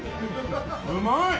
「うまい！」